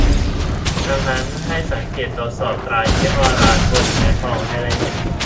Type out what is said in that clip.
ดังนั้นให้สังเกตตรวจสอบตรายี่ห้อร้านบนเนื้อทองให้ละเอียด